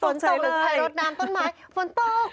หรือถ่ายรถน้ำต้นไม้ฝนตก